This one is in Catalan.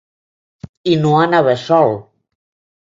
I no anava sol.